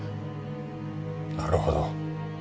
なるほど。